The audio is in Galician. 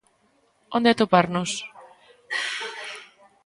Onde atoparnos?